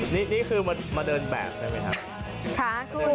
นี่คือมาเดินแบบใช่ไหมครับ